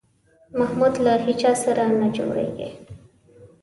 محمود له هېچا سره نه جوړېږي.